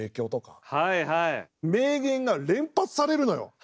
名言が連発されるのよ。